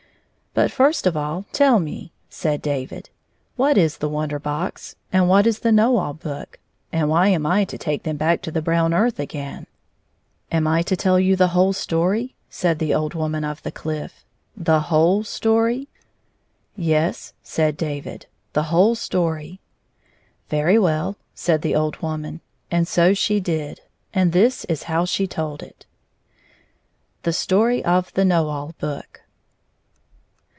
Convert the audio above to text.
"But, first of all, tell me," said David, "what is this Wonder Box, and what is the Know All Book 1 And why am I to take them back to the brown earth again ?"" Am I to tell you the whole story? " said the old woman of the cliff, " the whole story 1 " 117 " Yes," said David, " the whole story." "Very well," said the old woman. And so she did, and this was how she told The Story of the Know All Book.